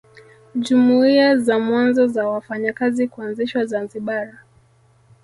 Jumuiya za mwanzo za wafanyakazi kuanzishwa Zanzibar